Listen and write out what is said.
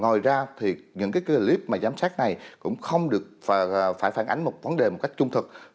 ngoài ra thì những cái clip mà giám sát này cũng không được phải phản ánh một vấn đề một cách trung thực